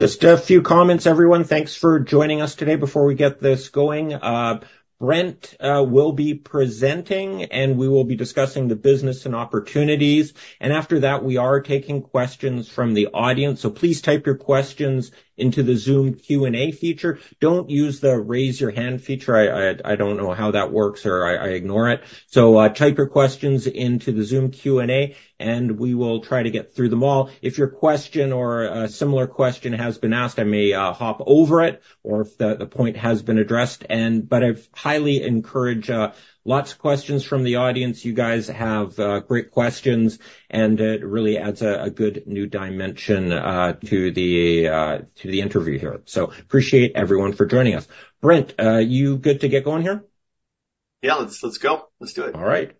Just a few comments, everyone. Thanks for joining us today. Before we get this going, Brent will be presenting, and we will be discussing the business and opportunities. After that, we are taking questions from the audience. Please type your questions into the Zoom Q&A feature. Don't use the raise your hand feature. I don't know how that works, or I ignore it. Type your questions into the Zoom Q&A, and we will try to get through them all. If your question or a similar question has been asked, I may hop over it, or if the point has been addressed. But I highly encourage lots of questions from the audience. You guys have great questions, and it really adds a good new dimension to the interview here. So appreciate everyone for joining us. Brent, you good to get going here? Yeah, let's, let's go. Let's do it. All right.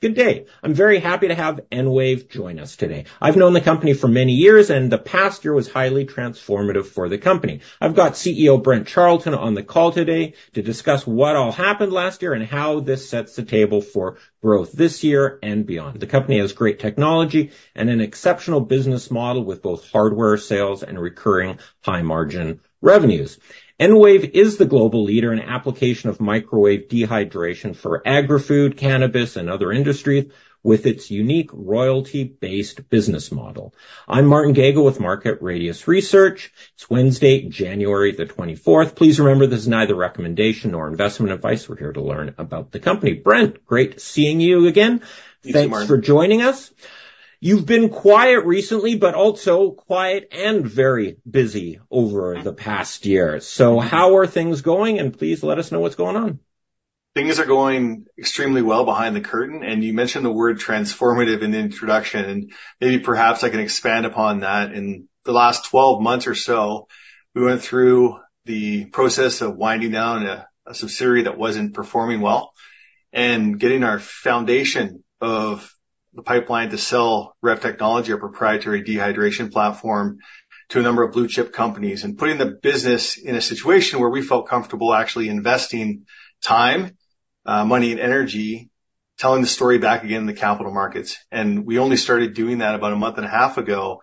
Good day. I'm very happy to have EnWave join us today. I've known the company for many years, and the past year was highly transformative for the company. I've got CEO Brent Charleton on the call today to discuss what all happened last year and how this sets the table for growth this year and beyond. The company has great technology and an exceptional business model with both hardware sales and recurring high-margin revenues. EnWave is the global leader in application of microwave dehydration for agrifood, cannabis, and other industries with its unique royalty-based business model. I'm Martin Gagel with Market Radius Research. It's Wednesday, January the 24th. Please remember, this is neither recommendation nor investment advice. We're here to learn about the company. Brent, great seeing you again. Thanks, Martin. Thanks for joining us. You've been quiet recently, but also quiet and very busy over the past year. How are things going? Please let us know what's going on. Things are going extremely well behind the curtain. And you mentioned the word transformative in the introduction, and maybe perhaps I can expand upon that. In the last 12 months or so, we went through the process of winding down a subsidiary that wasn't performing well and getting our foundation of the pipeline to sell REV technology, a proprietary dehydration platform, to a number of blue-chip companies and putting the business in a situation where we felt comfortable actually investing time, money, and energy, telling the story back again in the capital markets. And we only started doing that about a month and a half ago,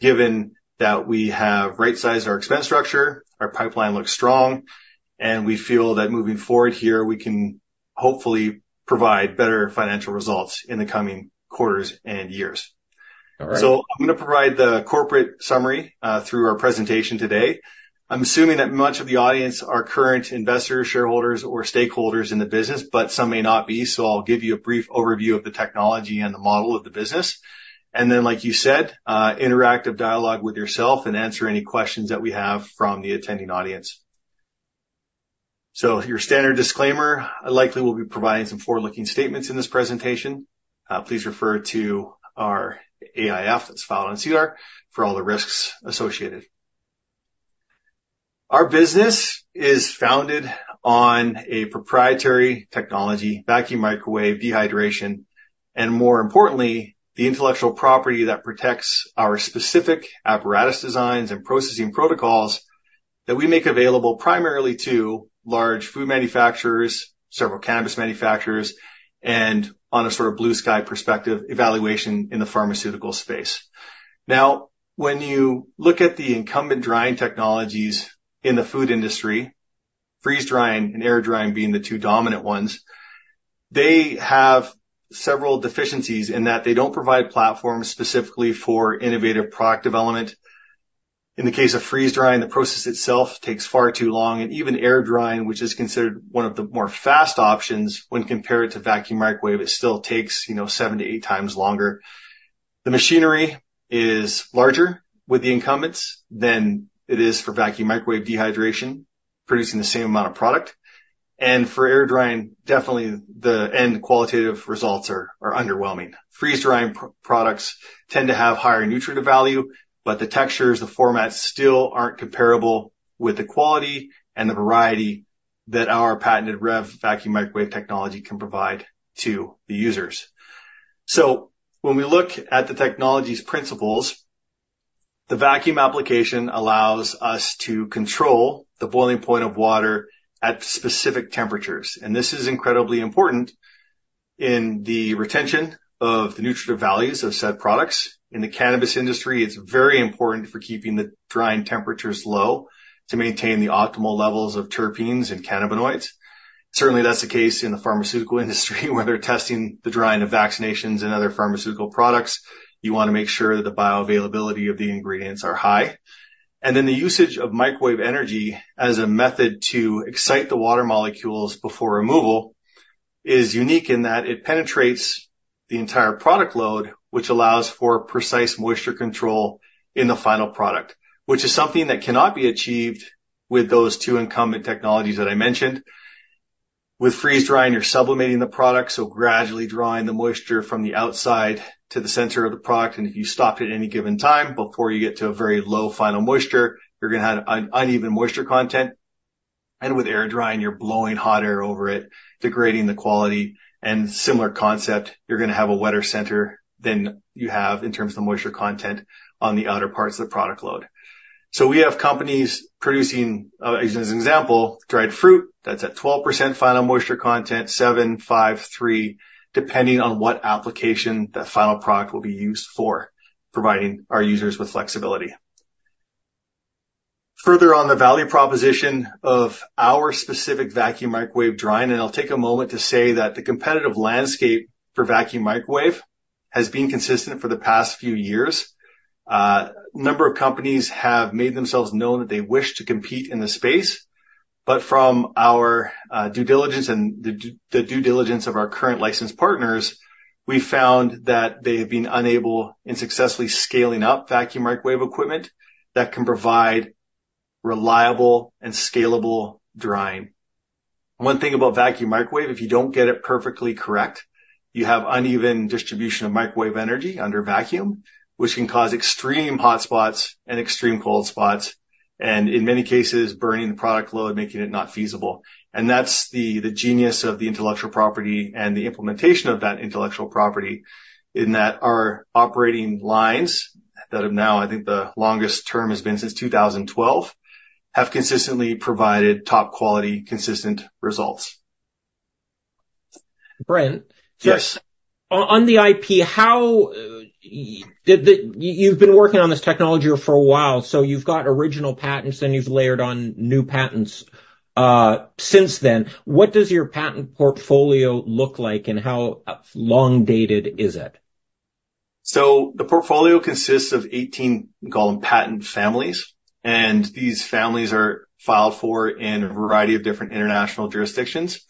given that we have right-sized our expense structure, our pipeline looks strong, and we feel that moving forward here, we can hopefully provide better financial results in the coming quarters and years. All right. So I'm gonna provide the corporate summary through our presentation today. I'm assuming that much of the audience are current investors, shareholders, or stakeholders in the business, but some may not be. So I'll give you a brief overview of the technology and the model of the business. And then, like you said, interactive dialogue with yourself and answer any questions that we have from the attending audience. So your standard disclaimer, I likely will be providing some forward-looking statements in this presentation. Please refer to our AIF that's filed on SEDAR for all the risks associated. Our business is founded on a proprietary technology, vacuum microwave dehydration, and more importantly, the intellectual property that protects our specific apparatus designs and processing protocols that we make available primarily to large food manufacturers, several cannabis manufacturers, and on a sort of blue-sky perspective evaluation in the pharmaceutical space. Now, when you look at the incumbent drying technologies in the food industry, freeze drying and air drying being the two dominant ones, they have several deficiencies in that they don't provide platforms specifically for innovative product development. In the case of freeze drying, the process itself takes far too long, and even air drying, which is considered one of the more fast options when compared to vacuum microwave, still takes, you know, 7-8 times longer. The machinery is larger with the incumbents than it is for vacuum microwave dehydration, producing the same amount of product. For air drying, definitely the end qualitative results are, are underwhelming. Freeze drying products tend to have higher nutrient value, but the textures, the formats still aren't comparable with the quality and the variety that our patented REV vacuum microwave technology can provide to the users. When we look at the technology's principles, the vacuum application allows us to control the boiling point of water at specific temperatures. This is incredibly important in the retention of the nutritive values of said products. In the cannabis industry, it's very important for keeping the drying temperatures low to maintain the optimal levels of terpenes and cannabinoids. Certainly, that's the case in the pharmaceutical industry where they're testing the drying of vaccinations and other pharmaceutical products. You wanna make sure that the bioavailability of the ingredients is high. Then the usage of microwave energy as a method to excite the water molecules before removal is unique in that it penetrates the entire product load, which allows for precise moisture control in the final product, which is something that cannot be achieved with those two incumbent technologies that I mentioned. With freeze drying, you're sublimating the product, so gradually drawing the moisture from the outside to the center of the product. And if you stop at any given time before you get to a very low final moisture, you're gonna have uneven moisture content. And with air drying, you're blowing hot air over it, degrading the quality. And similar concept, you're gonna have a wetter center than you have in terms of the moisture content on the outer parts of the product load. So we have companies producing, as an example, dried fruit that's at 12% final moisture content, 7, 5, 3, depending on what application that final product will be used for, providing our users with flexibility. Further on the value proposition of our specific vacuum microwave drying, and I'll take a moment to say that the competitive landscape for vacuum microwave has been consistent for the past few years. A number of companies have made themselves known that they wish to compete in the space, but from our due diligence and the due diligence of our current licensed partners, we found that they have been unable and successfully scaling up vacuum microwave equipment that can provide reliable and scalable drying. One thing about vacuum microwave, if you don't get it perfectly correct, you have uneven distribution of microwave energy under vacuum, which can cause extreme hotspots and extreme cold spots, and in many cases, burning the product load, making it not feasible. That's the genius of the intellectual property and the implementation of that intellectual property in that our operating lines that have now, I think the longest term has been since 2012, have consistently provided top-quality, consistent results. Brent. Yes. On the IP, how did you, you've been working on this technology for a while, so you've got original patents, then you've layered on new patents since then. What does your patent portfolio look like, and how long-dated is it? So the portfolio consists of 18, we call them patent families. These families are filed for in a variety of different international jurisdictions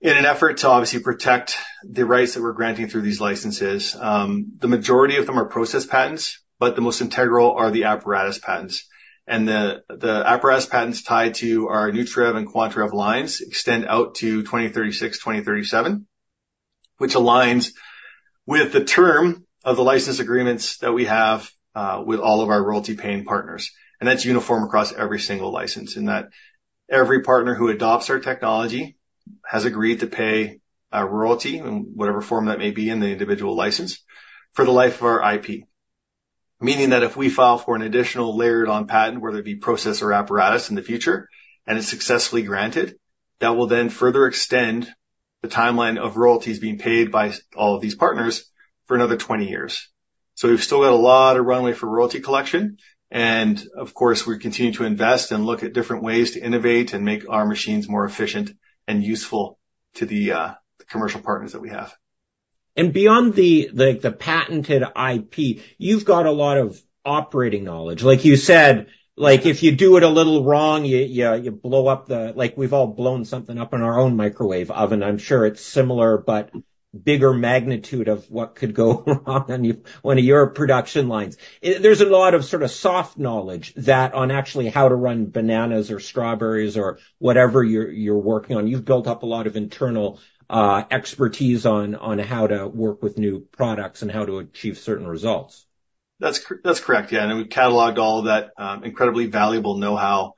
in an effort to obviously protect the rights that we're granting through these licenses. The majority of them are process patents, but the most integral are the apparatus patents. And the, the apparatus patents tied to our nutraREV and quantaREV lines extend out to 2036, 2037, which aligns with the term of the license agreements that we have, with all of our royalty-paying partners. That's uniform across every single license in that every partner who adopts our technology has agreed to pay a royalty in whatever form that may be in the individual license for the life of our IP, meaning that if we file for an additional layered-on patent, whether it be process or apparatus in the future, and it's successfully granted, that will then further extend the timeline of royalties being paid by all of these partners for another 20 years. We've still got a lot of runway for royalty collection. Of course, we continue to invest and look at different ways to innovate and make our machines more efficient and useful to the commercial partners that we have. Beyond the like, the patented IP, you've got a lot of operating knowledge. Like you said, like, if you do it a little wrong, you blow up the like, we've all blown something up in our own microwave oven. I'm sure it's similar, but bigger magnitude of what could go wrong on your production lines. There's a lot of sort of soft knowledge that on actually how to run bananas or strawberries or whatever you're working on. You've built up a lot of internal expertise on how to work with new products and how to achieve certain results. That's correct. Yeah. And we cataloged all of that, incredibly valuable know-how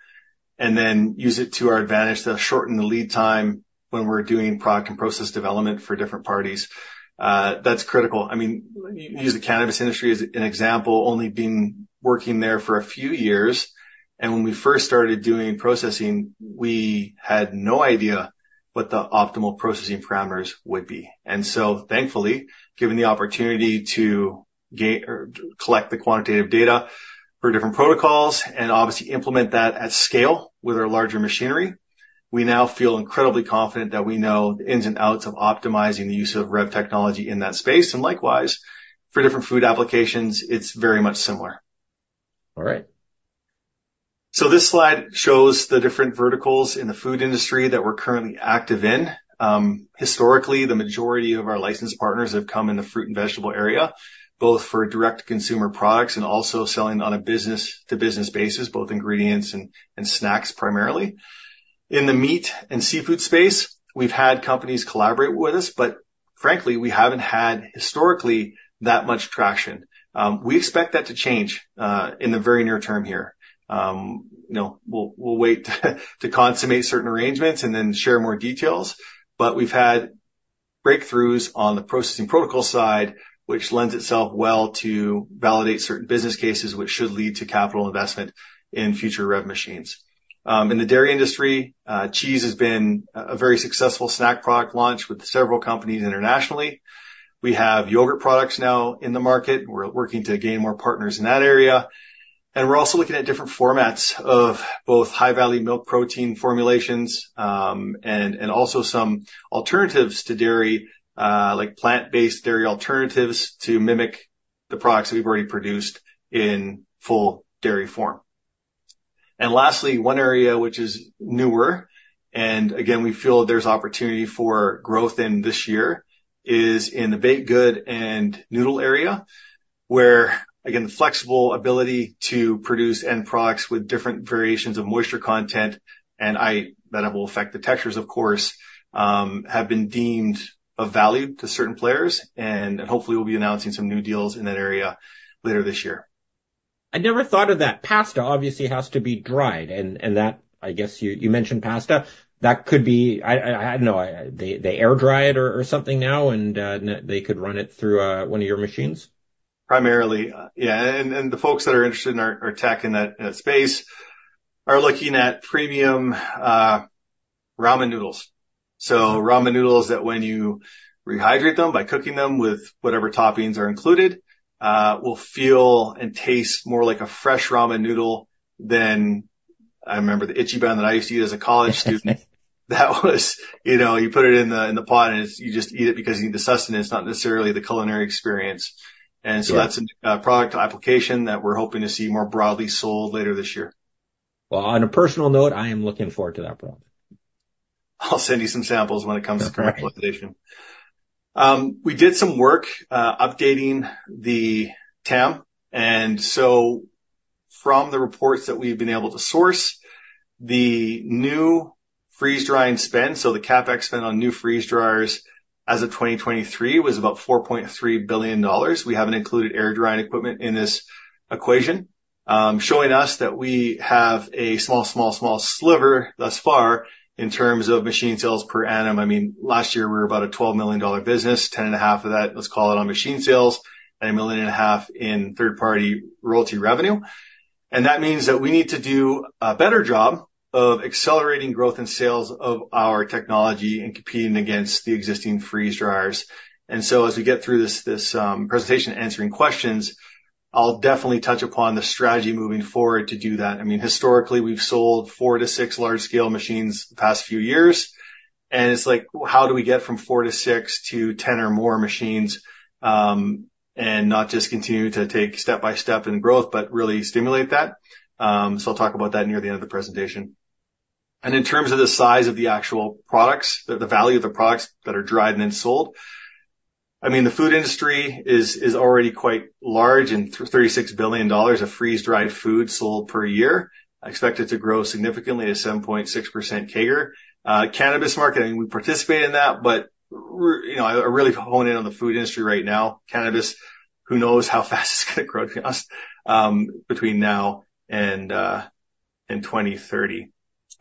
and then use it to our advantage to shorten the lead time when we're doing product and process development for different parties. That's critical. I mean, you use the cannabis industry as an example, only been working there for a few years. And when we first started doing processing, we had no idea what the optimal processing parameters would be. And so thankfully, given the opportunity to collect the quantitative data for different protocols and obviously implement that at scale with our larger machinery, we now feel incredibly confident that we know the ins and outs of optimizing the use of REV technology in that space. And likewise, for different food applications, it's very much similar. All right. So this slide shows the different verticals in the food industry that we're currently active in. Historically, the majority of our licensed partners have come in the fruit and vegetable area, both for direct-to-consumer products and also selling on a business-to-business basis, both ingredients and snacks primarily. In the meat and seafood space, we've had companies collaborate with us, but frankly, we haven't had historically that much traction. We expect that to change in the very near term here. You know, we'll wait to consummate certain arrangements and then share more details. But we've had breakthroughs on the processing protocol side, which lends itself well to validate certain business cases, which should lead to capital investment in future REV machines. In the dairy industry, cheese has been a very successful snack product launch with several companies internationally. We have yogurt products now in the market. We're working to gain more partners in that area. And we're also looking at different formats of both high-value milk protein formulations, and also some alternatives to dairy, like plant-based dairy alternatives to mimic the products that we've already produced in full dairy form. And lastly, one area which is newer, and again, we feel there's opportunity for growth in this year is in the baked good and noodle area where, again, the flexible ability to produce end products with different variations of moisture content and that will affect the textures, of course, have been deemed of value to certain players. And hopefully we'll be announcing some new deals in that area later this year. I never thought of that. Pasta obviously has to be dried. And that, I guess you mentioned pasta. That could be, I don't know, they air dry it or something now, and they could run it through one of your machines. Primarily, yeah. And the folks that are interested in our tech in that space are looking at premium ramen noodles. So ramen noodles that when you rehydrate them by cooking them with whatever toppings are included, will feel and taste more like a fresh ramen noodle than I remember the Ichiban that I used to eat as a college student. That was, you know, you put it in the pot and it's you just eat it because you need the sustenance, not necessarily the culinary experience. And so that's a product application that we're hoping to see more broadly sold later this year. Well, on a personal note, I am looking forward to that product. I'll send you some samples when it comes to commercialization. Okay. We did some work updating the TAM. And so from the reports that we've been able to source, the new freeze drying spend, so the CapEx spend on new freeze dryers as of 2023 was about 4.3 billion dollars. We haven't included air drying equipment in this equation, showing us that we have a small, small, small sliver thus far in terms of machine sales per annum. I mean, last year we were about a $12 million business, $10.5 million of that, let's call it on machine sales, and $1.5 million in third-party royalty revenue. And that means that we need to do a better job of accelerating growth and sales of our technology and competing against the existing freeze dryers. And so as we get through this presentation answering questions, I'll definitely touch upon the strategy moving forward to do that. I mean, historically, we've sold 4-6 large-scale machines the past few years. And it's like, how do we get from 4-6 to 10 or more machines, and not just continue to take step by step in growth, but really stimulate that? So I'll talk about that near the end of the presentation. And in terms of the size of the actual products, the value of the products that are dried and then sold, I mean, the food industry is already quite large and $36 billion of freeze-dried food sold per year. I expect it to grow significantly at 7.6% CAGR. Cannabis market, I mean, we participate in that, but we're, you know, I really hone in on the food industry right now. Cannabis, who knows how fast it's gonna grow to us, between now and 2030.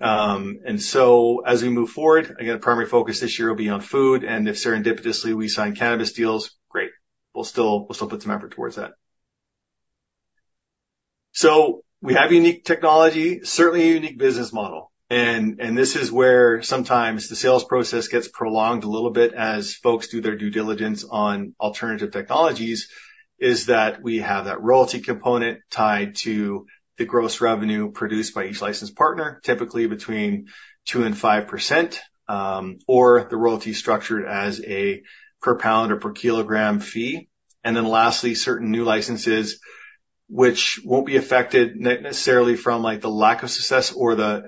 And so as we move forward, again, primary focus this year will be on food. And if serendipitously we sign cannabis deals, great. We'll still, we'll still put some effort towards that. So we have unique technology, certainly a unique business model. And this is where sometimes the sales process gets prolonged a little bit as folks do their due diligence on alternative technologies, is that we have that royalty component tied to the gross revenue produced by each licensed partner, typically between 2%-5%, or the royalty structured as a per pound or per kilogram fee. And then lastly, certain new licenses, which won't be affected necessarily from like the lack of success or the,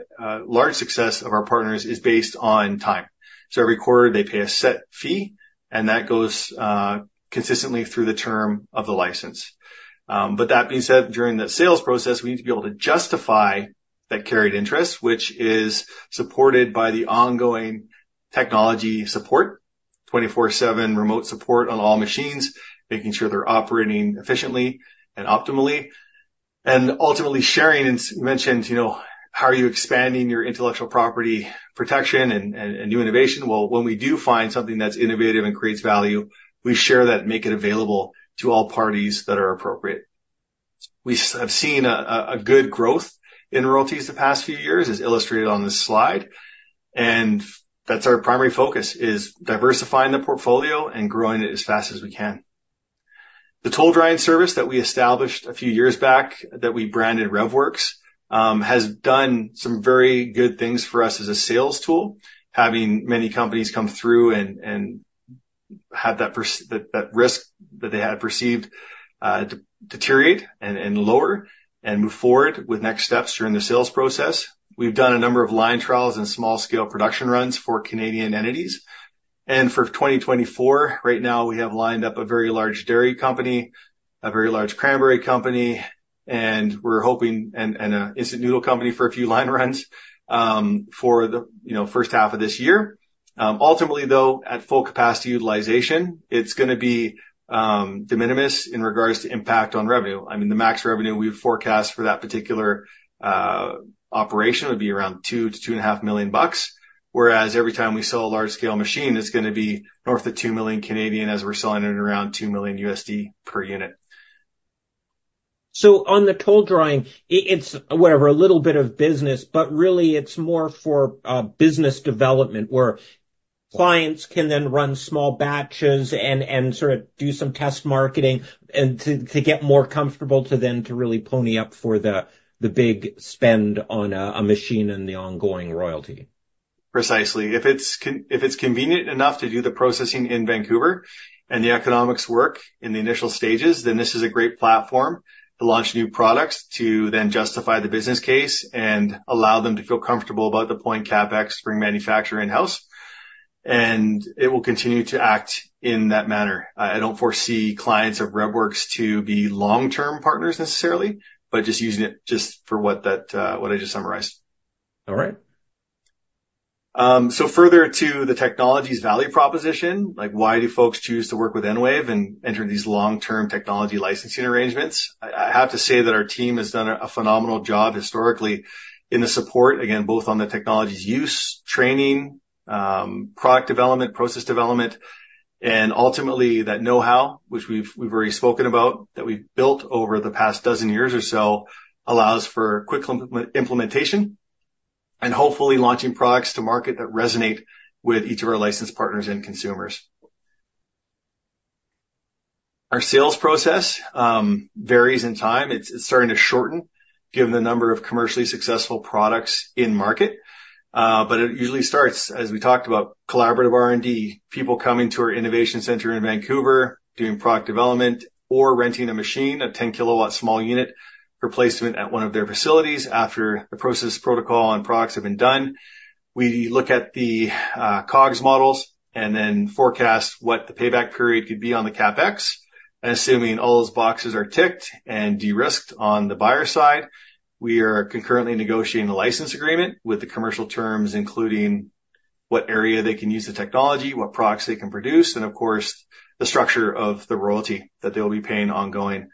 large success of our partners is based on time. So every quarter they pay a set fee, and that goes, consistently through the term of the license. But that being said, during the sales process, we need to be able to justify that carried interest, which is supported by the ongoing technology support, 24/7 remote support on all machines, making sure they're operating efficiently and optimally, and ultimately sharing. And you mentioned, you know, how are you expanding your intellectual property protection and new innovation? Well, when we do find something that's innovative and creates value, we share that and make it available to all parties that are appropriate. We have seen a good growth in royalties the past few years, as illustrated on this slide. And that's our primary focus, is diversifying the portfolio and growing it as fast as we can. The toll drying service that we established a few years back that we branded RevWorks has done some very good things for us as a sales tool, having many companies come through and have that perceived risk that they had perceived deteriorate and lower and move forward with next steps during the sales process. We've done a number of line trials and small-scale production runs for Canadian entities. For 2024, right now we have lined up a very large dairy company, a very large cranberry company, and we're hoping and an instant noodle company for a few line runs for the, you know, first half of this year. Ultimately though, at full capacity utilization, it's gonna be de minimis in regards to impact on revenue. I mean, the max revenue we've forecast for that particular operation would be around $2 million-$2.5 million, whereas every time we sell a large-scale machine, it's gonna be north of 2 million as we're selling it at around $2 million per unit. So on the toll drying, it's whatever, a little bit of business, but really it's more for business development where clients can then run small batches and sort of do some test marketing and to get more comfortable to then really pony up for the big spend on a machine and the ongoing royalty. Precisely. If it's convenient enough to do the processing in Vancouver and the economics work in the initial stages, then this is a great platform to launch new products to then justify the business case and allow them to feel comfortable about the point CapEx to bring manufacturing in-house. And it will continue to act in that manner. I don't foresee clients of RevWorks to be long-term partners necessarily, but just using it for what I just summarized. All right. So further to the technology's value proposition, like why do folks choose to work with EnWave and enter these long-term technology licensing arrangements? I, I have to say that our team has done a phenomenal job historically in the support, again, both on the technology's use, training, product development, process development, and ultimately that know-how, which we've, we've already spoken about that we've built over the past dozen years or so, allows for quick implementation and hopefully launching products to market that resonate with each of our licensed partners and consumers. Our sales process varies in time. It's, it's starting to shorten given the number of commercially successful products in market. But it usually starts, as we talked about, collaborative R&D, people coming to our innovation center in Vancouver, doing product development or renting a machine, a 10-kW small unit replacement at one of their facilities after the process protocol and products have been done. We look at the COGS models and then forecast what the payback period could be on the CapEx. Assuming all those boxes are ticked and de-risked on the buyer side, we are concurrently negotiating a license agreement with the commercial terms, including what area they can use the technology, what products they can produce, and of course, the structure of the royalty that they'll be paying ongoing.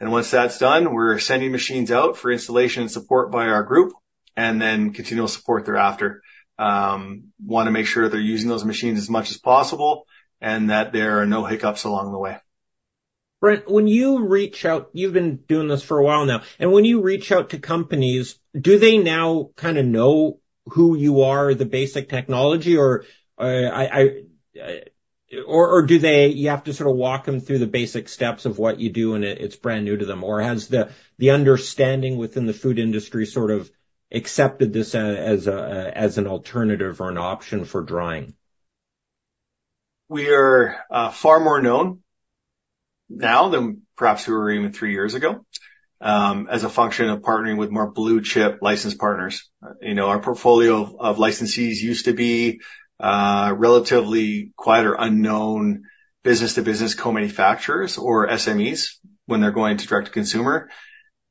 Once that's done, we're sending machines out for installation and support by our group and then continual support thereafter. Wanna make sure they're using those machines as much as possible and that there are no hiccups along the way. Right. When you reach out, you've been doing this for a while now. When you reach out to companies, do they now kind of know who you are, the basic technology, or do they, you have to sort of walk 'em through the basic steps of what you do and it's brand new to them? Or has the understanding within the food industry sort of accepted this as an alternative or an option for drying? We are far more known now than perhaps we were even three years ago, as a function of partnering with more blue chip licensed partners. You know, our portfolio of licensees used to be relatively quiet or unknown business-to-business co-manufacturers or SMEs when they're going to direct-to-consumer.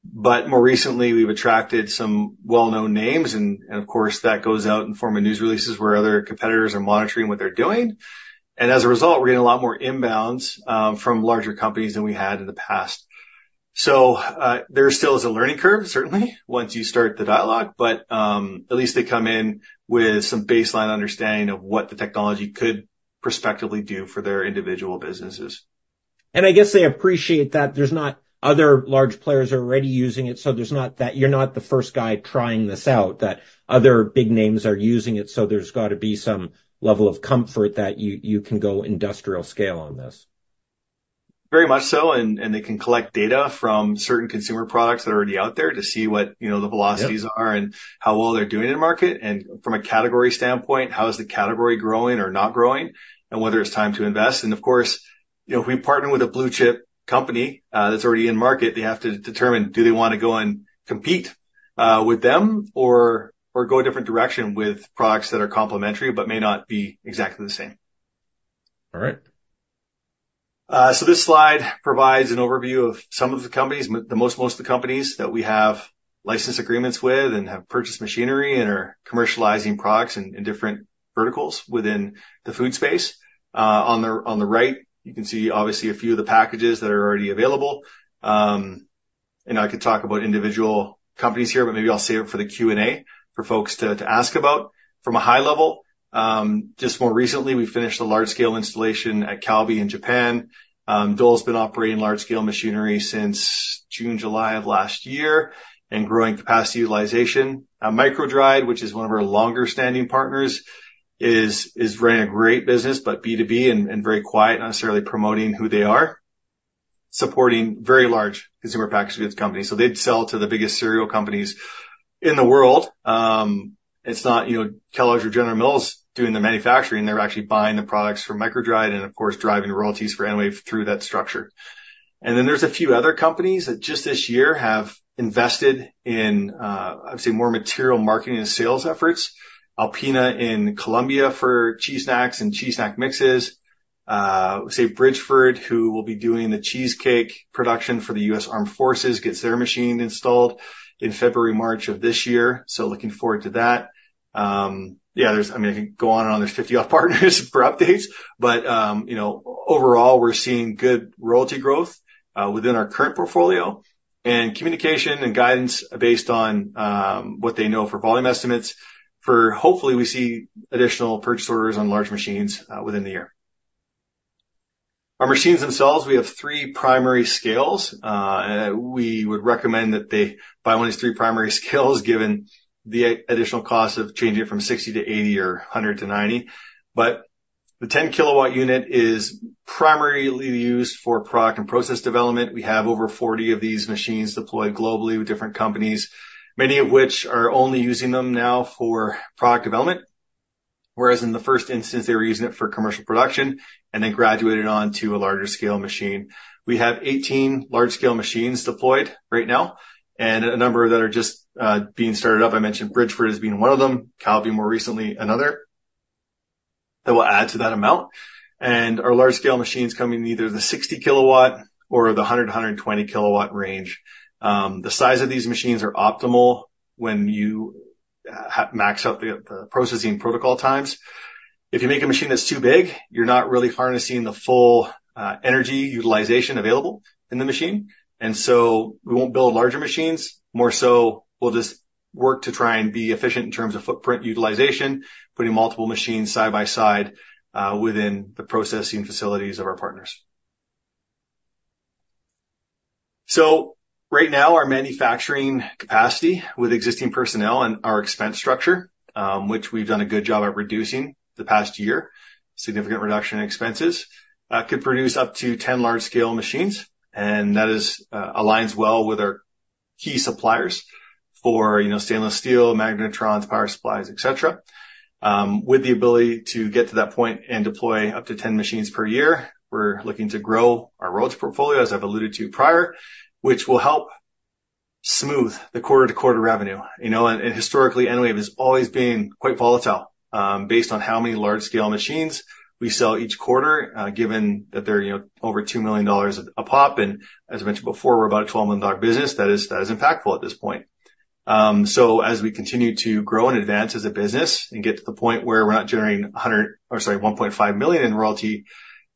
But more recently, we've attracted some well-known names and, and of course that goes out in form of news releases where other competitors are monitoring what they're doing. And as a result, we're getting a lot more inbounds from larger companies than we had in the past. So, there still is a learning curve, certainly, once you start the dialogue, but at least they come in with some baseline understanding of what the technology could prospectively do for their individual businesses. I guess they appreciate that there's not other large players already using it, so there's not that you're not the first guy trying this out, that other big names are using it. So there's gotta be some level of comfort that you can go industrial scale on this. Very much so. And they can collect data from certain consumer products that are already out there to see what, you know, the velocities are and how well they're doing in market. And from a category standpoint, how is the category growing or not growing and whether it's time to invest. And of course, you know, if we partner with a blue chip company, that's already in market, they have to determine do they wanna go and compete with them or go a different direction with products that are complementary but may not be exactly the same. All right. So this slide provides an overview of some of the companies, most of the companies that we have license agreements with and have purchased machinery and are commercializing products in different verticals within the food space. On the right, you can see obviously a few of the packages that are already available. And I could talk about individual companies here, but maybe I'll save it for the Q and A for folks to ask about from a high level. Just more recently, we finished a large-scale installation at Calbee in Japan. Dole's been operating large-scale machinery since June, July of last year and growing capacity utilization. MicroDried, which is one of our longer-standing partners, is running a great business, but B2B and very quiet, not necessarily promoting who they are, supporting very large consumer packaged goods companies. So they'd sell to the biggest cereal companies in the world. It's not, you know, Kellogg's or General Mills doing the manufacturing. They're actually buying the products from MicroDried and of course driving royalties for EnWave through that structure. And then there's a few other companies that just this year have invested in, I'd say more material marketing and sales efforts. Alpina in Colombia for cheese snacks and cheese snack mixes. Say Bridgford, who will be doing the cheesecake production for the U.S. Armed Forces, gets their machine installed in February, March of this year. So looking forward to that. Yeah, there's, I mean, I can go on and on. There are 50+ partners for updates, but, you know, overall we're seeing good royalty growth within our current portfolio and communication and guidance based on what they know for volume estimates, and hopefully we see additional purchase orders on large machines within the year. Our machines themselves, we have three primary scales. We would recommend that they buy one of these three primary scales given the additional cost of changing it from 60 to 80 or 100 to 90. But the 10-kilowatt unit is primarily used for product and process development. We have over 40 of these machines deployed globally with different companies, many of which are only using them now for product development, whereas in the first instance, they were using it for commercial production and then graduated on to a larger scale machine. We have 18 large-scale machines deployed right now and a number that are just being started up. I mentioned Bridgford as being one of them, Calbee more recently, another that will add to that amount. And our large-scale machines come in either the 60-kilowatt or the 120-kilowatt range. The size of these machines are optimal when you max out the processing protocol times. If you make a machine that's too big, you're not really harnessing the full energy utilization available in the machine. And so we won't build larger machines. More so, we'll just work to try and be efficient in terms of footprint utilization, putting multiple machines side by side within the processing facilities of our partners. So right now, our manufacturing capacity with existing personnel and our expense structure, which we've done a good job at reducing the past year, significant reduction in expenses, could produce up to 10 large-scale machines. And that is, aligns well with our key suppliers for, you know, stainless steel, magnetrons, power supplies, et cetera. With the ability to get to that point and deploy up to 10 machines per year, we're looking to grow our royalty portfolio, as I've alluded to prior, which will help smooth the quarter-to-quarter revenue. You know, and, and historically, EnWave has always been quite volatile, based on how many large-scale machines we sell each quarter, given that they're, you know, over $2 million a pop. And as I mentioned before, we're about a $12 million business. That is, that is impactful at this point. As we continue to grow and advance as a business and get to the point where we're not generating 100 or, sorry, 1.5 million in royalty,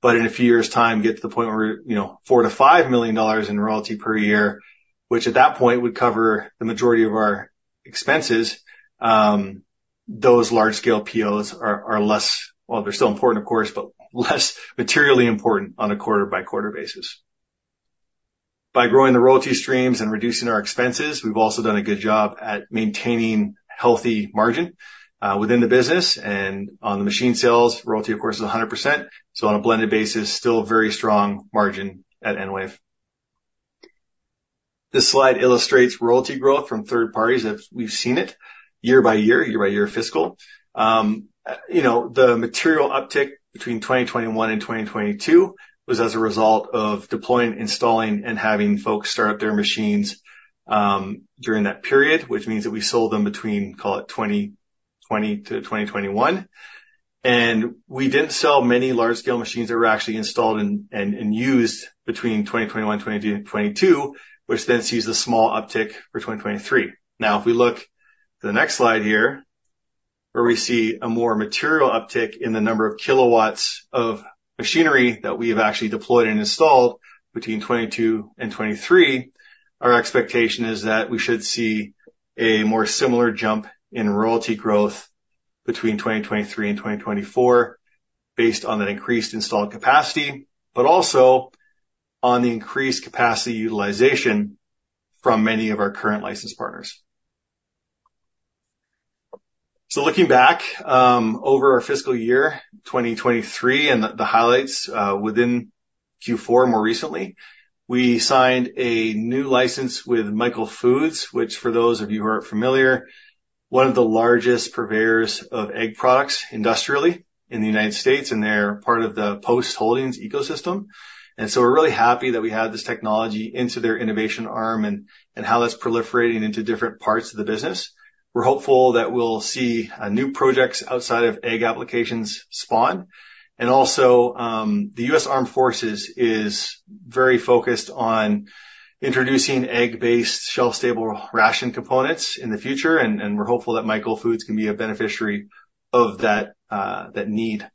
but in a few years' time, get to the point where we're, you know, $4-$5 million in royalty per year, which at that point would cover the majority of our expenses, those large-scale POs are less, well, they're still important, of course, but less materially important on a quarter-by-quarter basis. By growing the royalty streams and reducing our expenses, we've also done a good job at maintaining healthy margin within the business. On the machine sales, royalty, of course, is 100%. So on a blended basis, still very strong margin at EnWave. This slide illustrates royalty growth from third parties as we've seen it year by year, year by year fiscal. You know, the material uptick between 2021 and 2022 was as a result of deploying, installing, and having folks start up their machines during that period, which means that we sold them between, call it 2020 to 2021. And we didn't sell many large-scale machines that were actually installed and used between 2021 and 2022, which then sees a small uptick for 2023. Now, if we look to the next slide here, where we see a more material uptick in the number of kilowatts of machinery that we have actually deployed and installed between 2022 and 2023, our expectation is that we should see a more similar jump in royalty growth between 2023 and 2024 based on that increased installed capacity, but also on the increased capacity utilization from many of our current licensed partners. So looking back over our fiscal year 2023 and the highlights within Q4 more recently, we signed a new license with Michael Foods, which for those of you who aren't familiar, one of the largest purveyors of egg products industrially in the United States, and they're part of the Post Holdings ecosystem. And so we're really happy that we had this technology into their innovation arm and how that's proliferating into different parts of the business. We're hopeful that we'll see new projects outside of egg applications spawn. And also, the U.S. Armed Forces is very focused on introducing egg-based shelf-stable ration components in the future. And we're hopeful that Michael Foods can be a beneficiary of that need.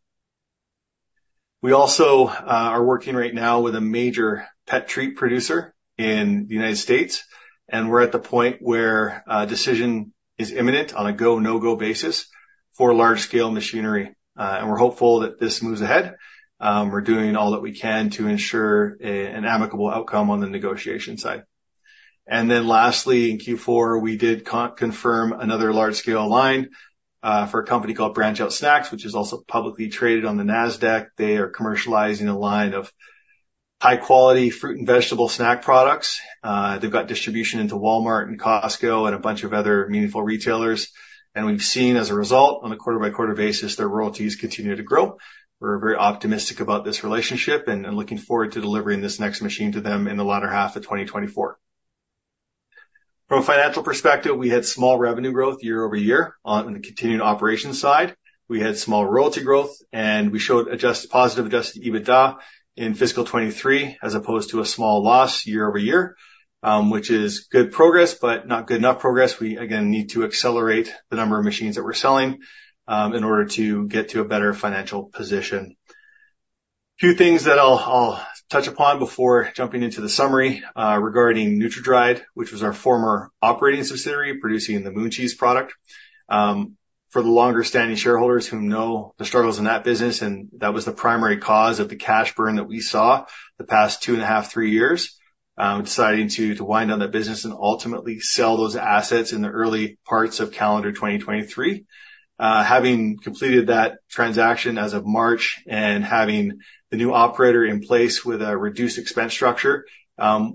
We also are working right now with a major pet treat producer in the United States, and we're at the point where decision is imminent on a go/no-go basis for large-scale machinery. And we're hopeful that this moves ahead. We're doing all that we can to ensure an amicable outcome on the negotiation side. And then lastly, in Q4, we did confirm another large-scale line for a company called BranchOut Snacks, which is also publicly traded on the NASDAQ. They are commercializing a line of high-quality fruit and vegetable snack products. They've got distribution into Walmart and Costco and a bunch of other meaningful retailers. And we've seen as a result, on a quarter-by-quarter basis, their royalties continue to grow. We're very optimistic about this relationship and, and looking forward to delivering this next machine to them in the latter half of 2024. From a financial perspective, we had small revenue growth year-over-year on the continued operation side. We had small royalty growth, and we showed adjusted positive adjusted EBITDA in fiscal 2023 as opposed to a small loss year-over-year, which is good progress, but not good enough progress. We again need to accelerate the number of machines that we're selling, in order to get to a better financial position. A few things that I'll, I'll touch upon before jumping into the summary, regarding NutraDried, which was our former operating subsidiary producing the Moon Cheese product. For the longer-standing shareholders who know the struggles in that business, and that was the primary cause of the cash burn that we saw the past 2.5-3 years, deciding to, to wind down that business and ultimately sell those assets in the early parts of calendar 2023. Having completed that transaction as of March and having the new operator in place with a reduced expense structure,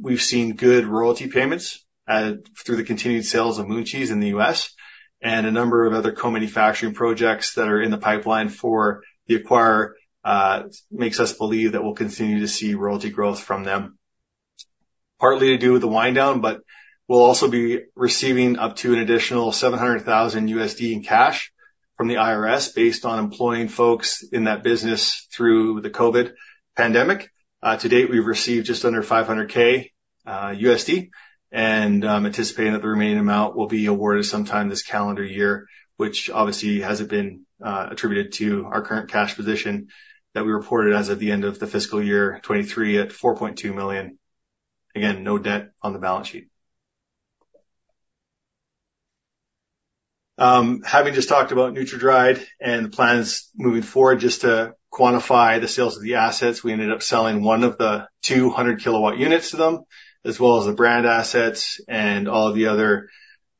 we've seen good royalty payments through the continued sales of Moon Cheese in the U.S. and a number of other co-manufacturing projects that are in the pipeline for the acquirer, makes us believe that we'll continue to see royalty growth from them. Partly to do with the wind down, but we'll also be receiving up to an additional $700,000 in cash from the IRS based on employing folks in that business through the COVID pandemic. To date, we've received just under $500,000, and anticipating that the remaining amount will be awarded sometime this calendar year, which obviously hasn't been attributed to our current cash position that we reported as at the end of the fiscal year 2023 at 4.2 million. Again, no debt on the balance sheet. Having just talked about NutraDried and the plans moving forward, just to quantify the sales of the assets, we ended up selling one of the 200-kilowatt units to them, as well as the brand assets and all of the other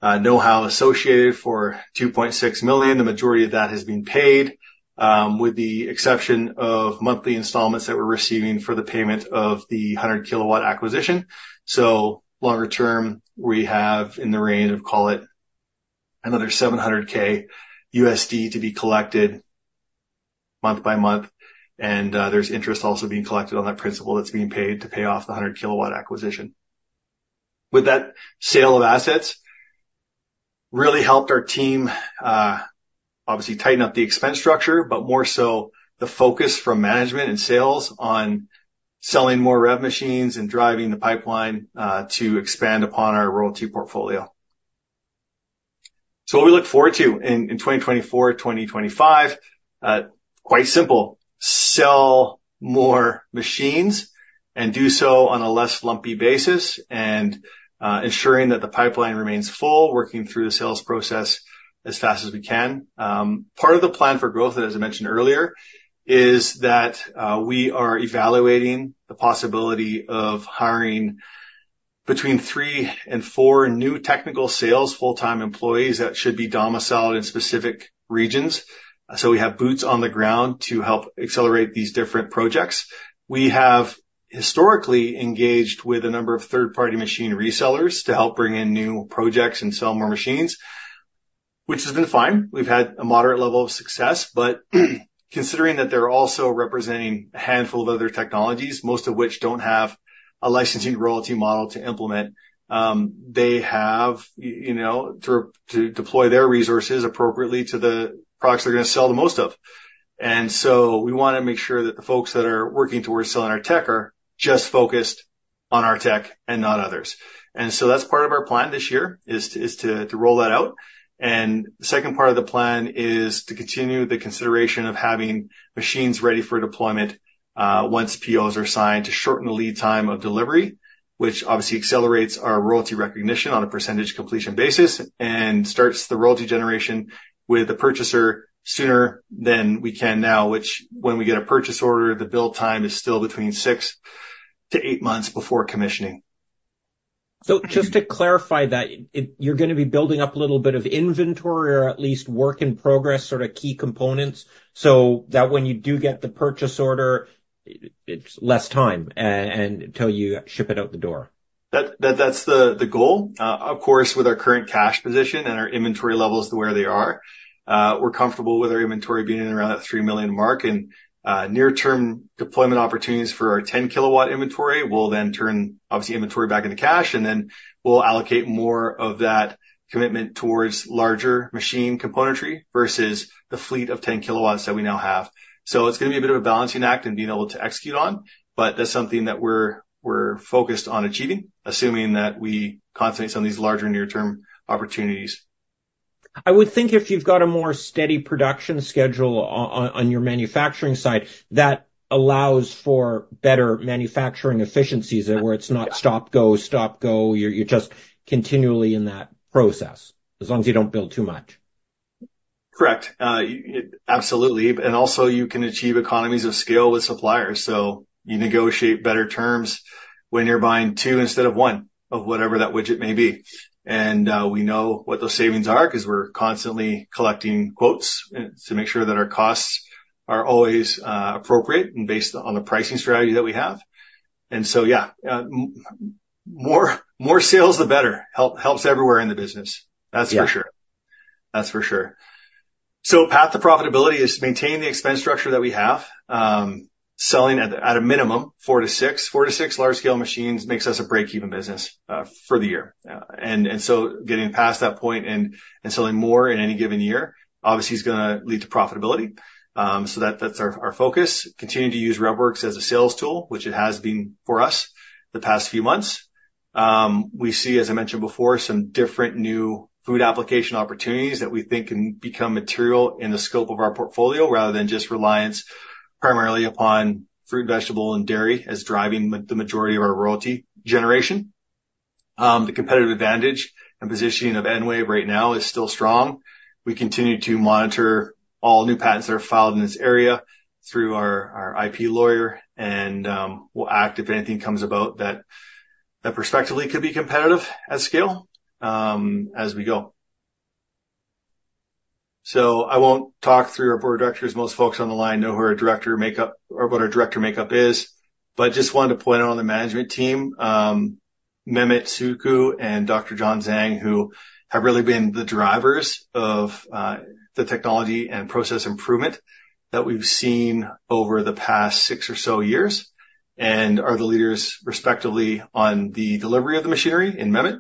know-how associated for $2.6 million. The majority of that has been paid, with the exception of monthly installments that we're receiving for the payment of the 100-kilowatt acquisition. So longer term, we have in the range of, call it another $700,000 to be collected month by month. And, there's interest also being collected on that principal that's being paid to pay off the 100-kilowatt acquisition. With that sale of assets, really helped our team, obviously tighten up the expense structure, but more so the focus from management and sales on selling more REV machines and driving the pipeline, to expand upon our royalty portfolio. So what we look forward to in, in 2024, 2025, quite simple, sell more machines and do so on a less lumpy basis and, ensuring that the pipeline remains full, working through the sales process as fast as we can. Part of the plan for growth, as I mentioned earlier, is that, we are evaluating the possibility of hiring between 3 and 4 new technical sales full-time employees that should be domiciled in specific regions. So we have boots on the ground to help accelerate these different projects. We have historically engaged with a number of third-party machine resellers to help bring in new projects and sell more machines, which has been fine. We've had a moderate level of success, but considering that they're also representing a handful of other technologies, most of which don't have a licensing royalty model to implement, they have, you know, to deploy their resources appropriately to the products they're gonna sell the most of. And so we wanna make sure that the folks that are working towards selling our tech are just focused on our tech and not others. And so that's part of our plan this year is to roll that out. The second part of the plan is to continue the consideration of having machines ready for deployment, once POs are signed to shorten the lead time of delivery, which obviously accelerates our royalty recognition on a percentage completion basis and starts the royalty generation with the purchaser sooner than we can now, which when we get a purchase order, the build time is still between 6-8 months before commissioning. So just to clarify that, you're gonna be building up a little bit of inventory or at least work in progress, sort of key components, so that when you do get the purchase order, it's less time and till you ship it out the door. That's the goal. Of course, with our current cash position and our inventory levels to where they are, we're comfortable with our inventory being around that 3 million mark. Near-term deployment opportunities for our 10-kilowatt inventory will then turn obviously inventory back into cash, and then we'll allocate more of that commitment towards larger machine componentry versus the fleet of 10 kilowatts that we now have. It's gonna be a bit of a balancing act and being able to execute on, but that's something that we're focused on achieving, assuming that we contemplate some of these larger near-term opportunities. I would think if you've got a more steady production schedule on your manufacturing side, that allows for better manufacturing efficiencies where it's not stop, go, stop, go. You're just continually in that process as long as you don't build too much. Correct. You absolutely. Also you can achieve economies of scale with suppliers. You negotiate better terms when you're buying two instead of one of whatever that widget may be. We know what those savings are 'cause we're constantly collecting quotes to make sure that our costs are always appropriate and based on the pricing strategy that we have. And so, yeah, more sales, the better helps everywhere in the business. That's for sure. Yeah, that's for sure. Path to profitability is maintain the expense structure that we have, selling at a minimum 4-6. 4-6 large-scale machines makes us a break-even business for the year. And so getting past that point and selling more in any given year obviously is gonna lead to profitability. So that's our focus. Continue to use RevWorks as a sales tool, which it has been for us the past few months. We see, as I mentioned before, some different new food application opportunities that we think can become material in the scope of our portfolio rather than just reliance primarily upon fruit, vegetable, and dairy as driving the majority of our royalty generation. The competitive advantage and positioning of EnWave right now is still strong. We continue to monitor all new patents that are filed in this area through our, our IP lawyer, and, we'll act if anything comes about that, that perspectively could be competitive at scale, as we go. So I won't talk through our board of directors. Most folks on the line know who our director makeup or what our director makeup is, but just wanted to point out on the management team, Mehmet Sucu and Dr. John Zhang, who have really been the drivers of, the technology and process improvement that we've seen over the past six or so years and are the leaders respectively on the delivery of the machinery in Mehmet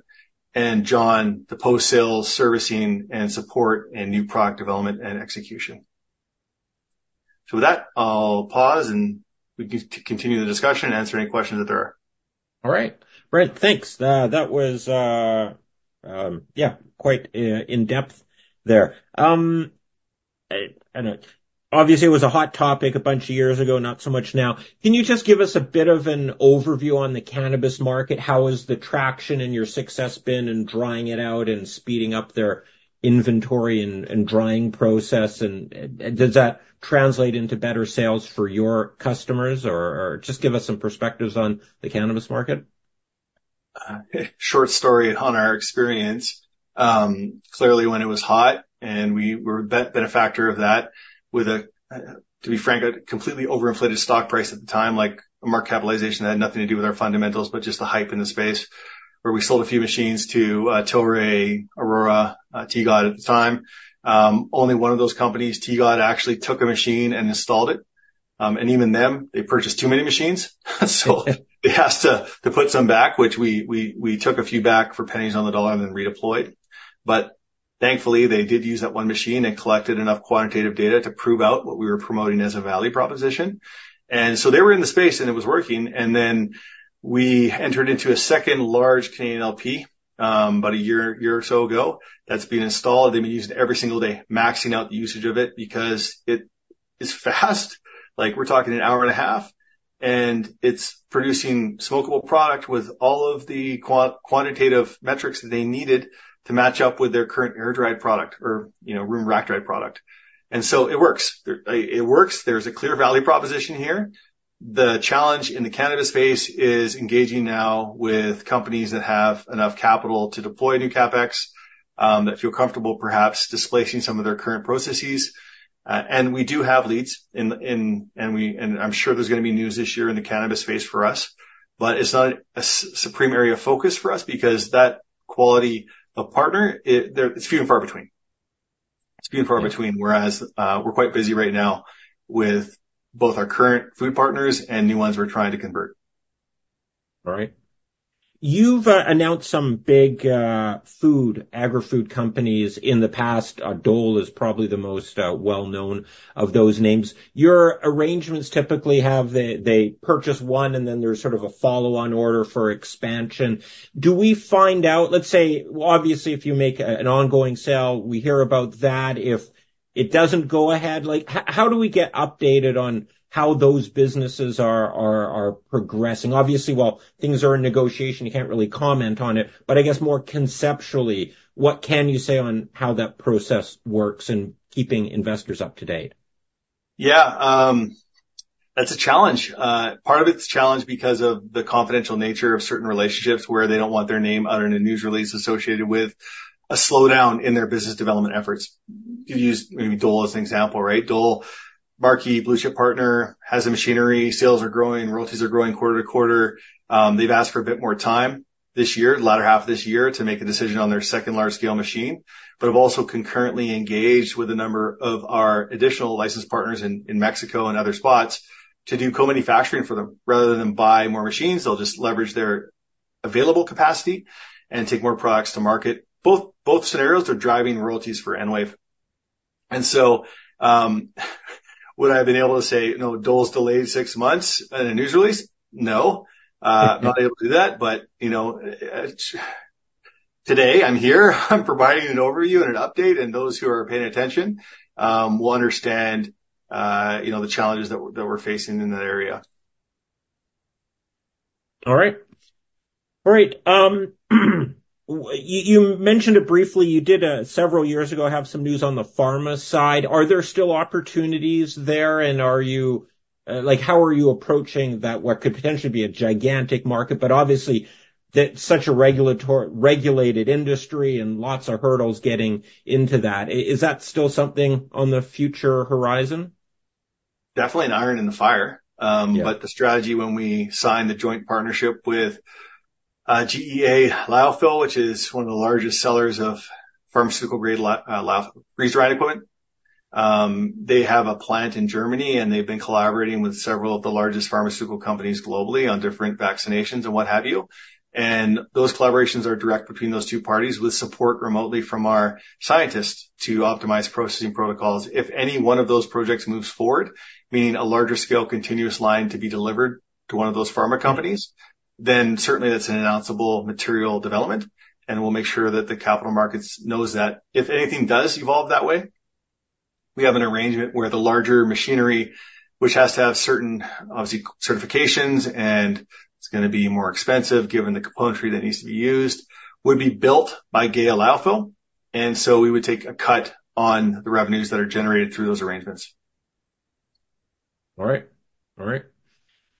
and John, the post-sale servicing and support and new product development and execution. So with that, I'll pause and we can continue the discussion and answer any questions that there are. All right. Brent, thanks. That was, yeah, quite in depth there. I don't know. Obviously, it was a hot topic a bunch of years ago, not so much now. Can you just give us a bit of an overview on the cannabis market? How has the traction and your success been in drying it out and speeding up their inventory and drying process? And does that translate into better sales for your customers or just give us some perspectives on the cannabis market? Short story on our experience, clearly when it was hot and we'd been a factor of that with, to be frank, a completely overinflated stock price at the time, like a market capitalization that had nothing to do with our fundamentals, but just the hype in the space where we sold a few machines to Tilray, Aurora, TGOD at the time. Only one of those companies, TGOD, actually took a machine and installed it. And even they purchased too many machines. So they asked to put some back, which we took a few back for pennies on the dollar and then redeployed. But thankfully, they did use that one machine and collected enough quantitative data to prove out what we were promoting as a value proposition. And so they were in the space and it was working. And then we entered into a second large Canadian LP, about a year or so ago that's been installed. They've been using it every single day, maxing out the usage of it because it is fast. Like we're talking an hour and a half and it's producing smokable product with all of the quantitative metrics that they needed to match up with their current air dried product or, you know, room rack dried product. And so it works. It works. There's a clear value proposition here. The challenge in the cannabis space is engaging now with companies that have enough capital to deploy new CapEx, that feel comfortable perhaps displacing some of their current processes. We do have leads in, and I'm sure there's gonna be news this year in the cannabis space for us, but it's not a supreme area of focus for us because that quality of partner, it, there it's few and far between. It's few and far between. Whereas, we're quite busy right now with both our current food partners and new ones we're trying to convert. All right. You've announced some big food agrifood companies in the past. Dole is probably the most well-known of those names. Your arrangements typically have they purchase one and then there's sort of a follow-on order for expansion. Do we find out, let's say, obviously if you make an ongoing sale, we hear about that. If it doesn't go ahead, like, how do we get updated on how those businesses are progressing? Obviously, while things are in negotiation, you can't really comment on it, but I guess more conceptually, what can you say on how that process works in keeping investors up to date? Yeah, that's a challenge. Part of it's a challenge because of the confidential nature of certain relationships where they don't want their name out in a news release associated with a slowdown in their business development efforts. You use maybe Dole as an example, right? Dole, a marquee blue-chip partner, has machinery sales that are growing, royalties are growing quarter to quarter. They've asked for a bit more time this year, the latter half of this year, to make a decision on their second large-scale machine, but have also concurrently engaged with a number of our additional licensed partners in, in Mexico and other spots to do co-manufacturing for them. Rather than buy more machines, they'll just leverage their available capacity and take more products to market. Both, both scenarios are driving royalties for EnWave. And so, would I have been able to say, you know, Dole's delayed six months in a news release? No, not able to do that. But, you know, today I'm here, I'm providing an overview and an update, and those who are paying attention will understand, you know, the challenges that we're, that we're facing in that area. All right. All right. You mentioned it briefly. You did several years ago have some news on the pharma side. Are there still opportunities there and are you, like, how are you approaching that? What could potentially be a gigantic market, but obviously that's such a regulated industry and lots of hurdles getting into that. Is that still something on the future horizon? Definitely an iron in the fire. But the strategy when we signed the joint partnership with GEA Lyophil, which is one of the largest sellers of pharmaceutical grade freeze-dry equipment, they have a plant in Germany and they've been collaborating with several of the largest pharmaceutical companies globally on different vaccinations and what have you. And those collaborations are direct between those two parties with support remotely from our scientists to optimize processing protocols. If any one of those projects moves forward, meaning a larger scale continuous line to be delivered to one of those pharma companies, then certainly that's an announceable material development and we'll make sure that the capital markets knows that. If anything does evolve that way, we have an arrangement where the larger machinery, which has to have certain obviously certifications and it's gonna be more expensive given the componentry that needs to be used, would be built by GEA Lyophil. And so we would take a cut on the revenues that are generated through those arrangements. All right. All right.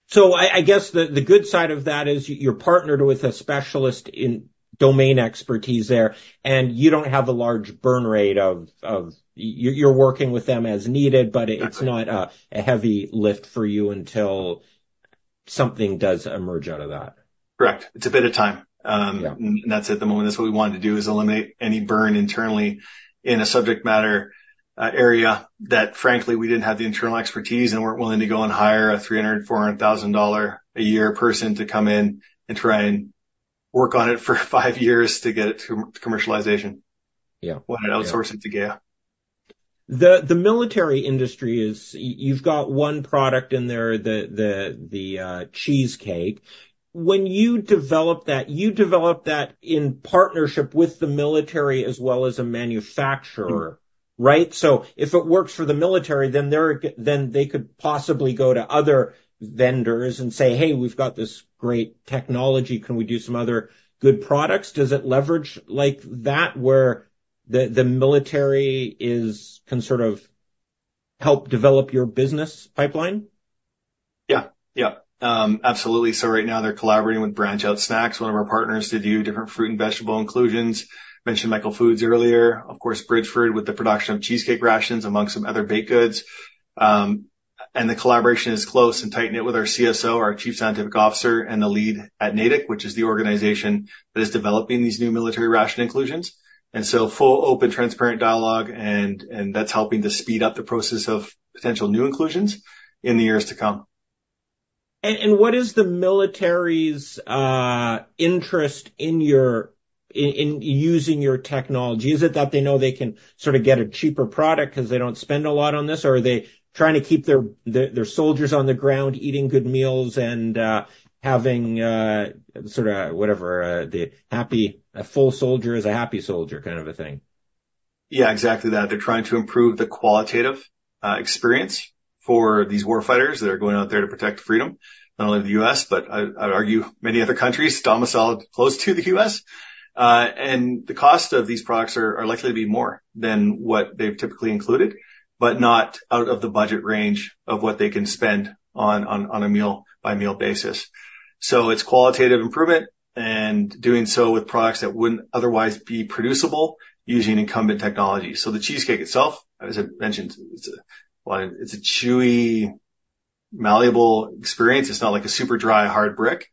So I guess the good side of that is you're partnered with a specialist in domain expertise there and you don't have a large burn rate of you, you're working with them as needed, but it's not a heavy lift for you until something does emerge out of that. Correct. It's a bit of time, and that's at the moment. That's what we wanted to do is eliminate any burn internally in a subject matter area that frankly we didn't have the internal expertise and weren't willing to go and hire a 300,000-400,000 dollar a year person to come in and try and work on it for five years to get it to commercialization. Wanted to outsource it to GEA. The military industry is, you've got one product in there, the cheesecake. When you develop that, you develop that in partnership with the military as well as a manufacturer, right? So if it works for the military, then they could possibly go to other vendors and say, hey, we've got this great technology, can we do some other good products? Does it leverage like that where the military can sort of help develop your business pipeline? Yeah. Yeah. Absolutely. So right now they're collaborating with BranchOut Snacks, one of our partners to do different fruit and vegetable inclusions. Mentioned Michael Foods earlier, of course, Bridgford with the production of cheesecake rations among some other baked goods, and the collaboration is close and tight-knit with our CSO, our Chief Scientific Officer and the lead at NATIC, which is the organization that is developing these new military ration inclusions. And so full, open, transparent dialogue and, and that's helping to speed up the process of potential new inclusions in the years to come. And what is the military's interest in your, in using your technology? Is it that they know they can sort of get a cheaper product 'cause they don't spend a lot on this? Or are they trying to keep their soldiers on the ground eating good meals and having, sort of whatever, the happy, a full soldier is a happy soldier kind of a thing? Yeah, exactly that. They're trying to improve the qualitative experience for these war fighters that are going out there to protect freedom, not only the U.S., but I, I'd argue many other countries, domiciled close to the U.S. The cost of these products are likely to be more than what they've typically included, but not out of the budget range of what they can spend on a meal by meal basis. So it's qualitative improvement and doing so with products that wouldn't otherwise be producible using incumbent technology. So the cheesecake itself, as I mentioned, it's a, well, it's a chewy, malleable experience. It's not like a super dry, hard brick.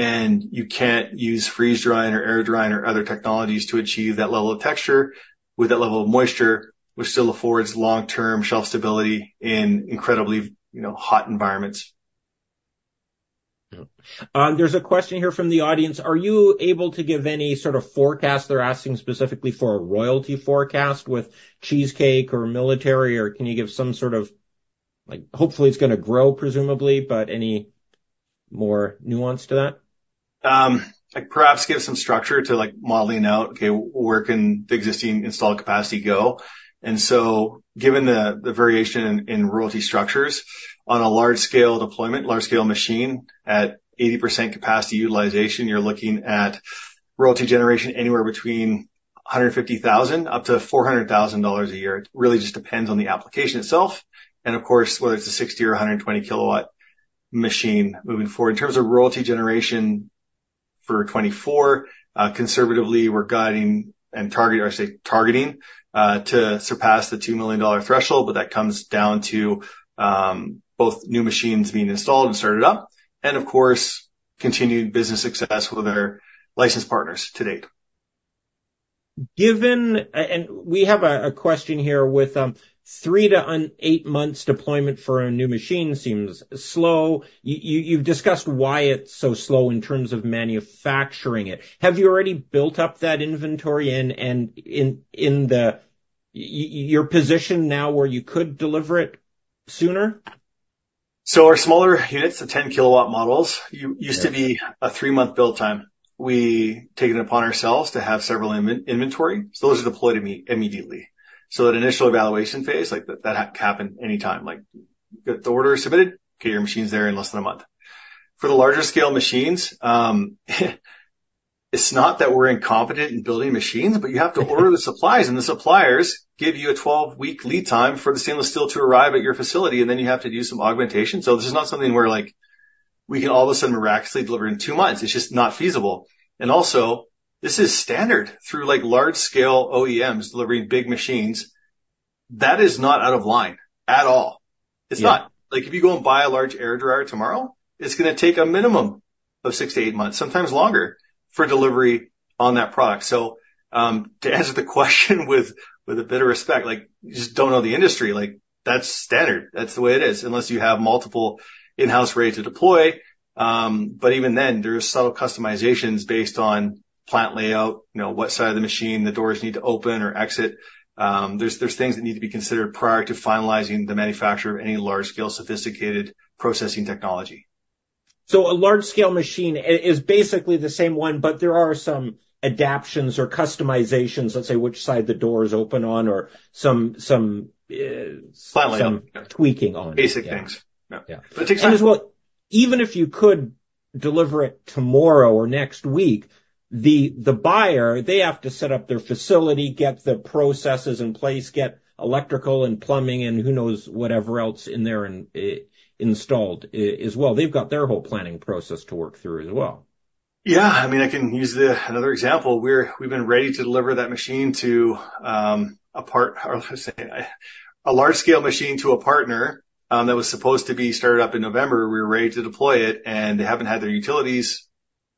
And you can't use freeze drying or air drying or other technologies to achieve that level of texture with that level of moisture, which still affords long-term shelf stability in incredibly, you know, hot environments. Yep. There's a question here from the audience. Are you able to give any sort of forecast? They're asking specifically for a royalty forecast with cheesecake or military, or can you give some sort of, like, hopefully it's gonna grow presumably, but any more nuance to that? Like perhaps give some structure to like modeling out, okay, where can the existing installed capacity go? And so given the, the variation in, in royalty structures on a large scale deployment, large scale machine at 80% capacity utilization, you're looking at royalty generation anywhere between $150,000-$400,000 a year. It really just depends on the application itself. And of course, whether it's a 60- or 120-kilowatt machine moving forward. In terms of royalty generation for 2024, conservatively we're guiding and targeting, I say targeting, to surpass the $2 million threshold, but that comes down to, both new machines being installed and started up and of course continued business success with our licensed partners to date. We have a question here with 3-8 months deployment for a new machine seems slow. You've discussed why it's so slow in terms of manufacturing it. Have you already built up that inventory in your position now where you could deliver it sooner? So our smaller units, the 10-kilowatt models, you used to be a 3-month build time. We take it upon ourselves to have several inventory. So those are deployed immediately. So that initial evaluation phase, like that happened anytime, like get the order submitted, get your machines there in less than a month. For the larger scale machines, it's not that we're incompetent in building machines, but you have to order the supplies and the suppliers give you a 12-week lead time for the stainless steel to arrive at your facility and then you have to do some augmentation. So this is not something where like we can all of a sudden miraculously deliver in 2 months. It's just not feasible. And also this is standard through like large scale OEMs delivering big machines. That is not out of line at all. It's not like if you go and buy a large air dryer tomorrow, it's gonna take a minimum of 6-8 months, sometimes longer for delivery on that product. So, to answer the question with, with a bit of respect, like you just don't know the industry, like that's standard. That's the way it is. Unless you have multiple in-house rates to deploy. But even then there's subtle customizations based on plant layout, you know, what side of the machine the doors need to open or exit. There's things that need to be considered prior to finalizing the manufacture of any large scale sophisticated processing technology. So a large scale machine is basically the same one, but there are some adaptations or customizations, let's say which side the door is open on or some tweaking on it. Basic things. Yeah. But it takes time. And as well, even if you could deliver it tomorrow or next week, the buyer, they have to set up their facility, get the processes in place, get electrical and plumbing and who knows whatever else in there and installed, as well. They've got their whole planning process to work through as well. Yeah. I mean, I can use another example. We've been ready to deliver that machine to a partner, or say a large-scale machine to a partner, that was supposed to be started up in November. We were ready to deploy it and they haven't had their utilities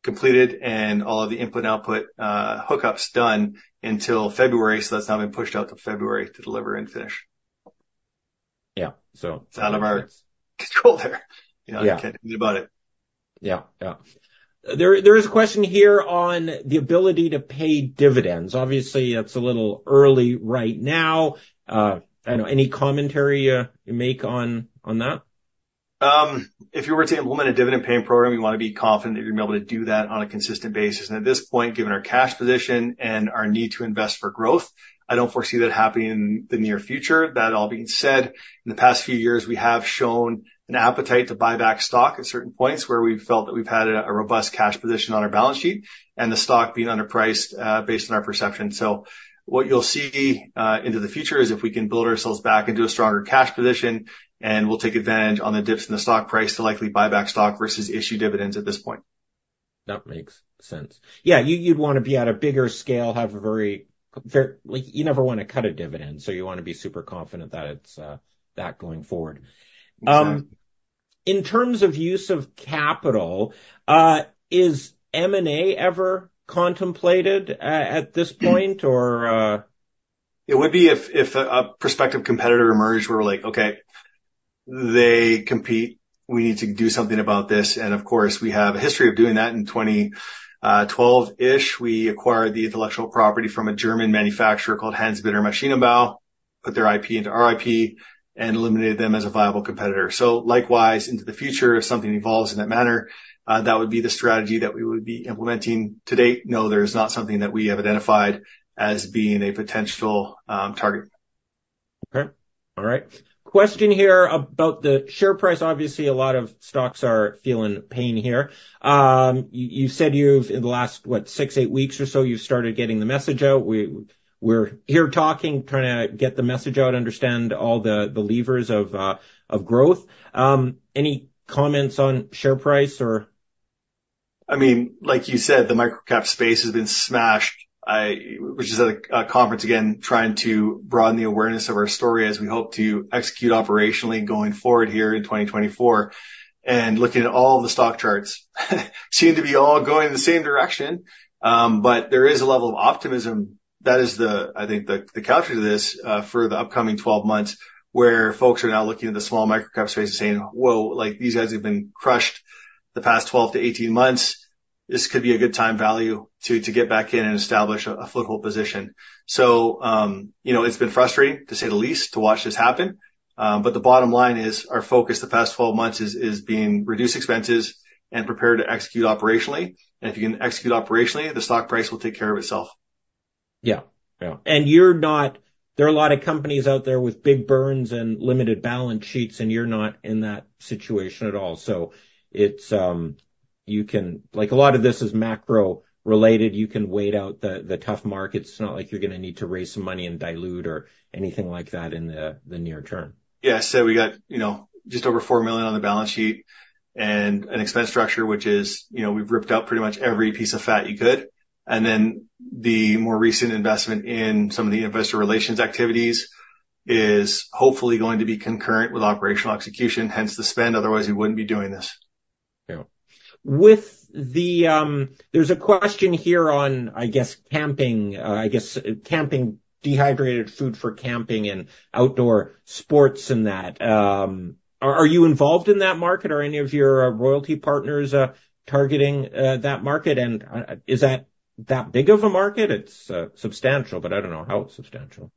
completed and all of the input, output, hookups done until February. So that's now been pushed out to February to deliver and finish. Yeah. So it's out of our control there. You know, you can't do anything about it. Yeah. There is a question here on the ability to pay dividends. Obviously it's a little early right now. I don't know, any commentary you make on that? If you were to implement a dividend paying program, you wanna be confident that you're gonna be able to do that on a consistent basis. At this point, given our cash position and our need to invest for growth, I don't foresee that happening in the near future. That all being said, in the past few years, we have shown an appetite to buy back stock at certain points where we've felt that we've had a robust cash position on our balance sheet and the stock being underpriced, based on our perception. So what you'll see, into the future is if we can build ourselves back into a stronger cash position and we'll take advantage on the dips in the stock price to likely buy back stock versus issue dividends at this point. That makes sense. Yeah. You, you'd wanna be at a bigger scale, have a very, very, like you never wanna cut a dividend. So you wanna be super confident that it's, that going forward. In terms of use of capital, is M&A ever contemplated at this point, or? It would be if a prospective competitor emerged where we're like, okay, they compete, we need to do something about this. And of course we have a history of doing that in 2012-ish. We acquired the intellectual property from a German manufacturer called Hans Binder Maschinenbau, put their IP into our IP and eliminated them as a viable competitor. So likewise into the future, if something evolves in that manner, that would be the strategy that we would be implementing to date. No, there is not something that we have identified as being a potential target. Okay. All right. Question here about the share price. Obviously a lot of stocks are feeling pain here. You said you've in the last, what, 6, 8 weeks or so you've started getting the message out. We're here talking, trying to get the message out, understand all the levers of growth. Any comments on share price or? I mean, like you said, the microcap space has been smashed, which is at a conference again, trying to broaden the awareness of our story as we hope to execute operationally going forward here in 2024. And looking at all the stock charts seem to be all going in the same direction. But there is a level of optimism. That is the, I think, the capture to this, for the upcoming 12 months where folks are now looking at the small microcap space and saying, whoa, like these guys have been crushed the past 12-18 months. This could be a good time value to get back in and establish a foothold position. So, you know, it's been frustrating to say the least, to watch this happen. But the bottom line is our focus the past 12 months is being reduced expenses and prepared to execute operationally. And if you can execute operationally, the stock price will take care of itself. Yeah. Yeah. And you're not, there are a lot of companies out there with big burns and limited balance sheets and you're not in that situation at all. So it's, you can, like a lot of this is macro related. You can wait out the tough markets. It's not like you're gonna need to raise some money and dilute or anything like that in the near term. Yeah. So we got, you know, just over 4 million on the balance sheet and an expense structure, which is, you know, we've ripped out pretty much every piece of fat you could. And then the more recent investment in some of the investor relations activities is hopefully going to be concurrent with operational execution, hence the spend. Otherwise we wouldn't be doing this. Yeah. With the, there's a question here on, I guess, camping, I guess camping, dehydrated food for camping and outdoor sports and that. Are, are you involved in that market? Are any of your, royalty partners, targeting, that market? And is that that big of a market? It's, substantial, but I don't know how it's substantial.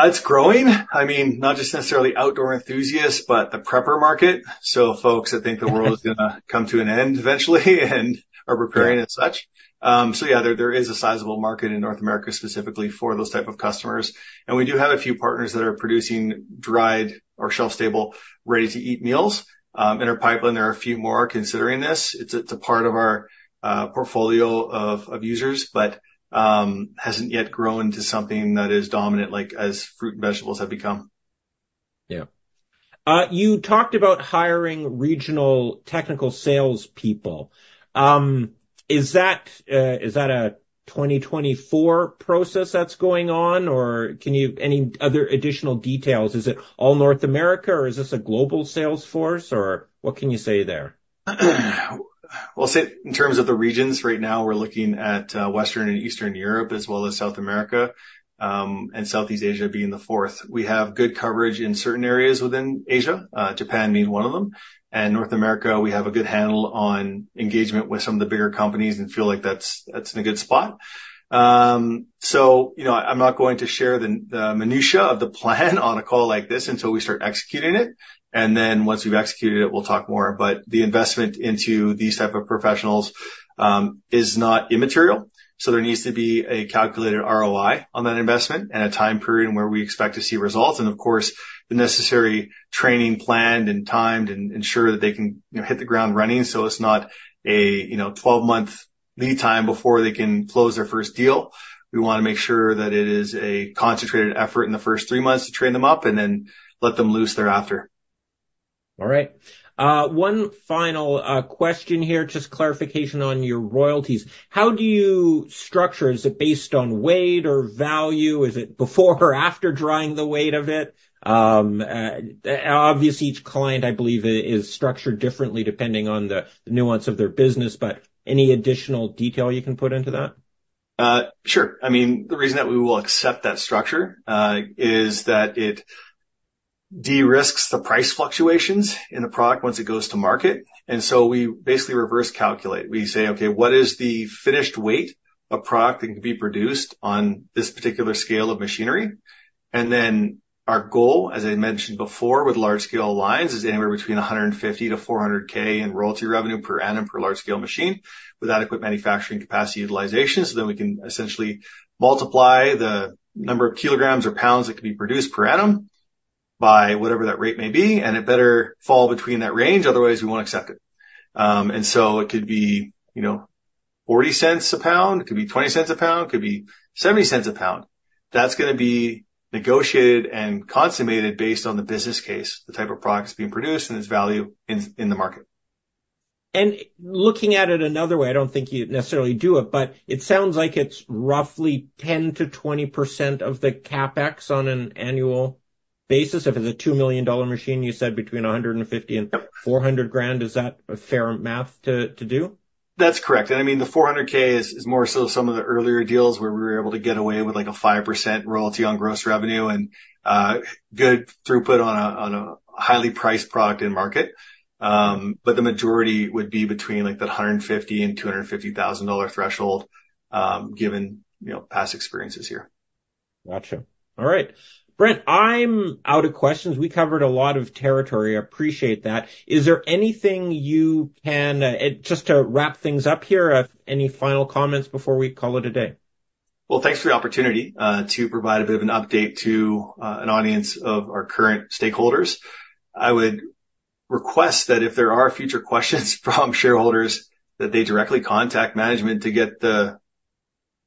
It's growing. I mean, not just necessarily outdoor enthusiasts, but the prepper market. So folks that think the world is gonna come to an end eventually and are preparing as such. So yeah, there, there is a sizable market in North America specifically for those type of customers. And we do have a few partners that are producing dried or shelf stable ready to eat meals, in our pipeline. There are a few more considering this. It's, it's a part of our, portfolio of, of users, but, hasn't yet grown into something that is dominant like as fruit and vegetables have become. Yeah. You talked about hiring regional technical salespeople. Is that, is that a 2024 process that's going on or can you, any other additional details? Is it all North America or is this a global salesforce or what can you say there? Well, say in terms of the regions right now, we're looking at, Western and Eastern Europe as well as South America, and Southeast Asia being the fourth. We have good coverage in certain areas within Asia. Japan being one of them. And North America, we have a good handle on engagement with some of the bigger companies and feel like that's, that's in a good spot. So, you know, I'm not going to share the, the minutia of the plan on a call like this until we start executing it. And then once we've executed it, we'll talk more. But the investment into these type of professionals is not immaterial. So there needs to be a calculated ROI on that investment and a time period where we expect to see results. And of course, the necessary training planned and timed and ensure that they can, you know, hit the ground running. So it's not a, you know, 12-month lead time before they can close their first deal. We wanna make sure that it is a concentrated effort in the first three months to train them up and then let them loose thereafter. All right. One final question here, just clarification on your royalties. How do you structure? Is it based on weight or value? Is it before or after drying the weight of it? Obviously each client, I believe, is structured differently depending on the nuance of their business, but any additional detail you can put into that? Sure. I mean, the reason that we will accept that structure is that it de-risks the price fluctuations in the product once it goes to market. And so we basically reverse calculate. We say, okay, what is the finished weight of product that can be produced on this particular scale of machinery? Our goal, as I mentioned before with large scale lines, is anywhere between CAD 150K-400K in royalty revenue per annum per large scale machine with adequate manufacturing capacity utilization. So then we can essentially multiply the number of kilograms or pounds that can be produced per annum by whatever that rate may be. And it better fall between that range. Otherwise we won't accept it. And so it could be, you know, 0.40 a pound. It could be 0.20 a pound. It could be 0.70 a pound. That's gonna be negotiated and consummated based on the business case, the type of product that's being produced and its value in the market. And looking at it another way, I don't think you necessarily do it, but it sounds like it's roughly 10%-20% of the CapEx on an annual basis. If it's a $2 million machine, you said between $150,000 and $400,000. Is that fair math to do? That's correct. And I mean, the $400,000 is more so some of the earlier deals where we were able to get away with like a 5% royalty on gross revenue and good throughput on a highly priced product in market. But the majority would be between like the $150,000 and $250,000 threshold, given, you know, past experiences here. Gotcha. All right. Brent, I'm out of questions. We covered a lot of territory. I appreciate that. Is there anything you can just to wrap things up here, any final comments before we call it a day? Well, thanks for the opportunity to provide a bit of an update to an audience of our current stakeholders. I would request that if there are future questions from shareholders, that they directly contact management to get the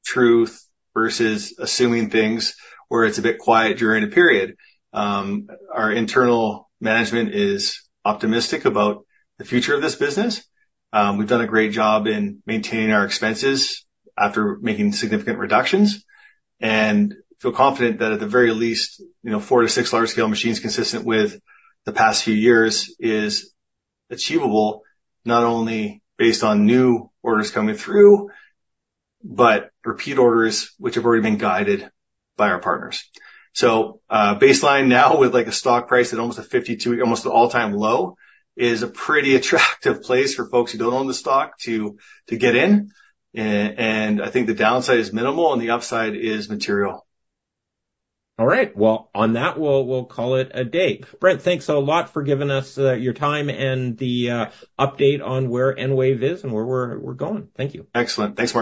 truth versus assuming things where it's a bit quiet during a period. Our internal management is optimistic about the future of this business. We've done a great job in maintaining our expenses after making significant reductions and feel confident that at the very least, you know, 4-6 large scale machines consistent with the past few years is achievable, not only based on new orders coming through, but repeat orders, which have already been guided by our partners. So, baseline now with like a stock price at almost a 52, almost an all-time low is a pretty attractive place for folks who don't own the stock to, to get in. And I think the downside is minimal and the upside is material. All right. Well, on that, we'll call it a day. Brent, thanks a lot for giving us your time and the update on where EnWave is and where we're going. Thank you. Excellent. Thanks Martin.